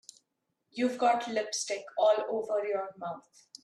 You've got lipstick all over your mouth.